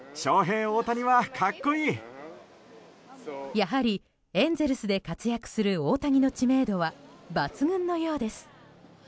やはり、エンゼルスで活躍する大谷の知名度は抜群のようです。